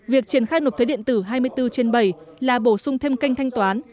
việc triển khai nộp thuế điện tử hai mươi bốn trên bảy là bổ sung thêm kênh thanh toán